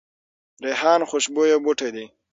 ریحان خوشبویه بوټی دی